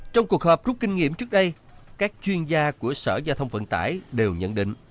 trong cuộc họp rút kinh nghiệm trước đây các chuyên gia của sở giao thông vận tải đều nhận định